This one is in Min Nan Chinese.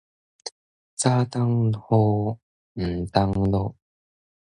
早冬雨，晚冬露